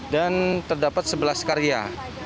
dan terdapat sebelas karya